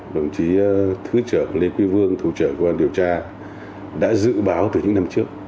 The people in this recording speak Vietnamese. đồng chí thứ trưởng lê quy vương thủ trưởng công an điều tra đã dự báo từ những năm trước